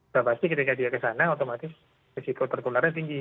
sudah pasti ketika dia ke sana otomatis risiko tertularnya tinggi